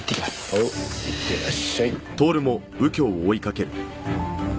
おういってらっしゃい。